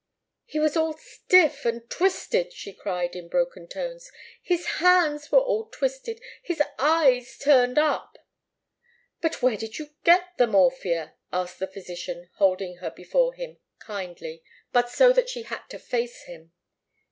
"He was all stiff and twisted!" she cried, in broken tones. "His hands were all twisted his eyes turned up." "But where did you get the morphia?" asked the physician, holding her before him, kindly, but so that she had to face him.